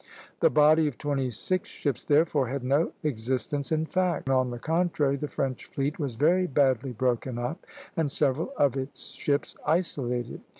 The "body of twenty six ships," therefore, had no existence in fact; on the contrary, the French fleet was very badly broken up, and several of its ships isolated.